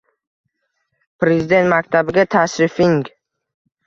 Prezident maktabiga tashrifng